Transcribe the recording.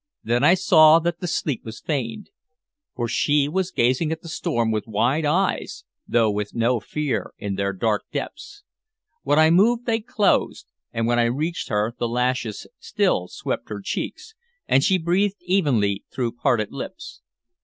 Then I saw that the sleep was feigned, for she was gazing at the storm with wide eyes, though with no fear in their dark depths. When I moved they closed, and when I reached her the lashes still swept her cheeks, and she breathed evenly through parted lips.